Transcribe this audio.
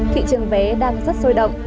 thị trường vé đang rất sôi động